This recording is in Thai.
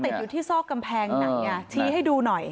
ติดอยู่ที่ซอกกำแพงไหนชี้ให้ดูหน่อย